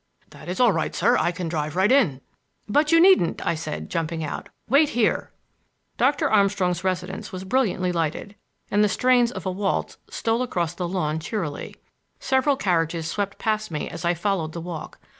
"That is all right, sir. I can drive right in." "But you needn't," I said, jumping out. "Wait here." Doctor Armstrong's residence was brilliantly lighted, and the strains of a waltz stole across the lawn cheerily. Several carriages swept past me as I followed the walk.